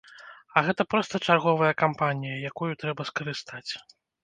А гэта проста чарговая кампанія, якую трэба скарыстаць.